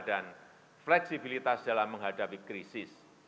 dan fleksibilitas dalam menghadapi krisis